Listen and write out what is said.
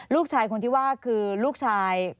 ลูกชายคนที่ว่าคือลูกชาย